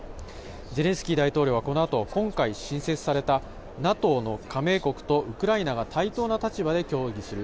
ゼレンスキー大統領はこのあと、今回新設された、ＮＡＴＯの加盟国とウクライナが対等な立場で協議する